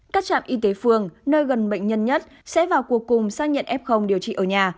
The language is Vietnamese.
các trạm y tế phường nơi gần bệnh nhân nhất sẽ vào cuộc cùng xác nhận f điều trị ở nhà